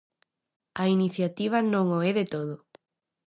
A iniciativa non o é de todo.